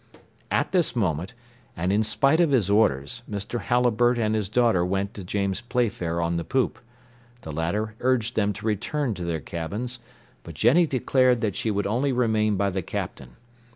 At this moment, and in spite of his orders, Mr. Halliburtt and his daughter went to James Playfair on the poop; the latter urged them to return to their cabins, but Jenny declared that she would remain by the Captain.